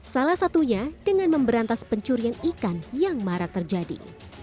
salah satunya dengan memberantas pencurian ikan yang marak terjadi